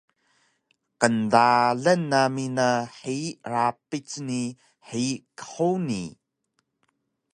Qndalan nami na hiyi rapic ni hiyi qhuni